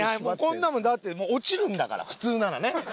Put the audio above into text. もうこんなものだって落ちるんだから普通ならね。